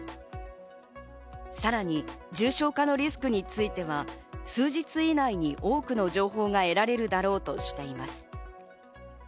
さらに重症化のリスクについては、数日以内に多くの情報が得られるだろうとしています。